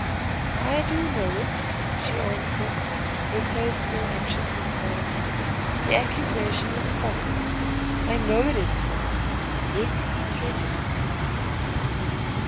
"I do know it," she answered, her face still anxious and pale. "The accusation is false. I know it is false; yet he threatens."